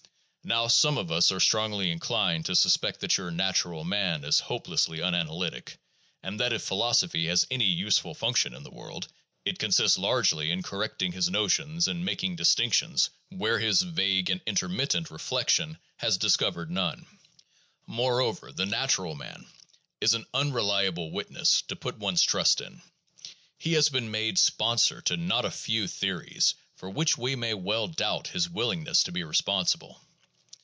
Now some of us are strongly inclined to suspect that your "natural man" is hopelessly unanalytic, and that if philosophy has any useful function in the world it consists largely in correcting his notions and making distinctions where his vague and intermittent reflection has discovered none. Moreover, the "natural man" is an unreliable witness to put one 's trust in ; he has been made sponsor to not a few theories for which we may well doubt his willingness to be respon sible.